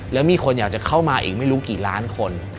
แล้วมีคนอยากจะเข้ามาอีกไม่รู้กี่ล้านคน